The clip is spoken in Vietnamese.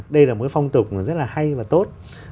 đây là một phong tục rất hay và tốt